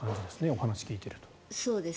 お話を聞いていると。